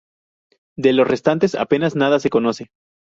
De los restantes apenas nada se conoce.